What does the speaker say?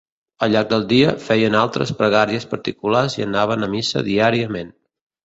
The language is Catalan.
Al llarg del dia, feien altres pregàries particulars i anaven a missa diàriament.